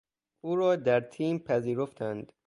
او را در تیم پذیرفتند.